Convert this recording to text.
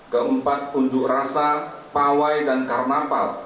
keempat untuk rasa pawai dan karnapal